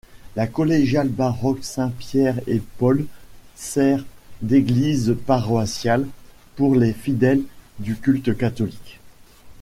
La collégiale baroque Saint-Pierre-et-Paul sert d'église paroissiale pour les fidèles du culte catholique.